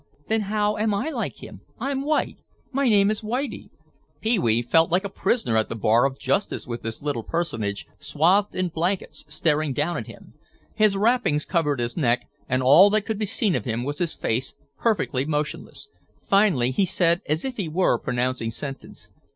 "Then how am I like him? I'm white. My name is Whitie." Pee wee felt like a prisoner at the bar of justice with this little personage swathed in blankets, staring down at him. His wrappings covered his neck and all that could be seen of him was his face, perfectly motionless. Finally he said as if he were pronouncing sentence.